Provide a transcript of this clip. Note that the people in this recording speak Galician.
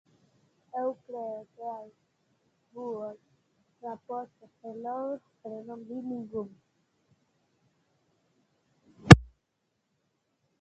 Eu creo que hai unhas [unintelligible] pero non vin ningún.